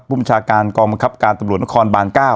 ผู้มันชาการกองมะครับการตำรวจนครบานเก้้า